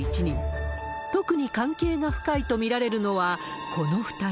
特に関係が深いと見られるのはこの２人。